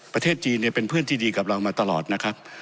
ประเทศจีนเป็นเพื่อนที่ดีกับเรามาตลอดนะครับ